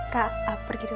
kak aku pergi dulu